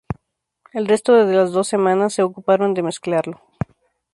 El resto de las dos semanas se ocuparon de mezclarlo.